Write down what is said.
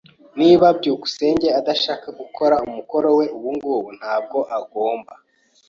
[T] Niba byukusenge adashaka gukora umukoro we ubungubu, ntabwo agomba.